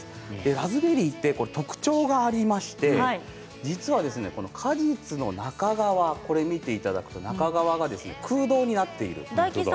ラズベリーって特徴がありまして実は果実の中側、見ていただくと空洞になっているんです。